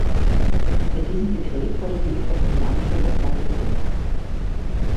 Mit diesem Dekret wurde die ecuadorianische Luftwaffe geboren.